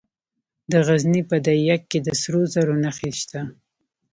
د غزني په ده یک کې د سرو زرو نښې شته.